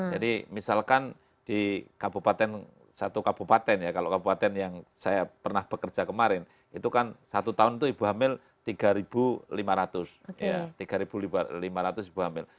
jadi misalkan di kabupaten satu kabupaten ya kalau kabupaten yang saya pernah bekerja kemarin itu kan satu tahun itu ibu hamil tiga ribu lima ratus ibu hamil